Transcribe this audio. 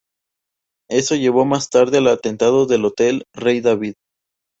Eso llevó más tarde al Atentado al Hotel Rey David.